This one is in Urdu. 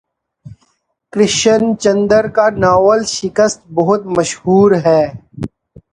کرشن چندر کا ناول شکست بہت مشہور ہے